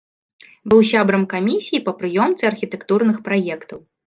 Быў сябрам камісіі па прыёмцы архітэктурных праектаў.